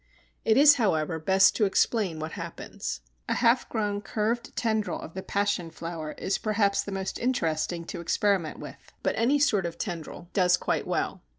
It is, however, best to explain what happens. A half grown curved tendril of the Passion flower is perhaps the most interesting to experiment with, but any sort of tendril does quite well.